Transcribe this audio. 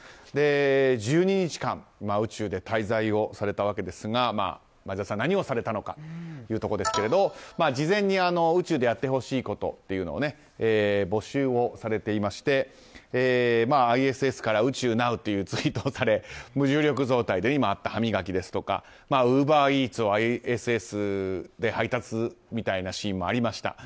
１２日間宇宙で滞在をされたわけですが前澤さん、何をされたのかということですが事前に宇宙でやってほしいことを募集をされていましてＩＳＳから宇宙なうというツイートをされ無重力状態で今あった歯磨きですとかウーバーイーツをＩＳＳで配達みたいなシーンもありました。